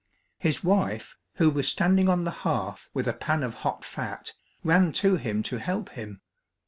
His wife, who was standing on the hearth with a pan of hot fat, ran to him to help him.